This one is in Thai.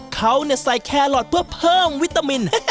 เขาใส่แครอทเพื่อเพิ่มวิตามิน